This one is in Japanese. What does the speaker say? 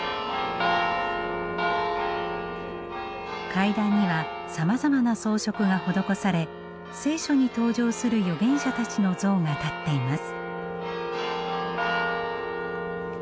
階段にはさまざまな装飾が施され「聖書」に登場する預言者たちの像が立っています。